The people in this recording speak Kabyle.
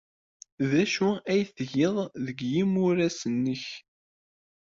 D acu ay tgiḍ deg yimuras-nnek?